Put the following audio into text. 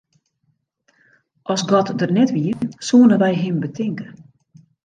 As God der net wie, soenen wy him betinke.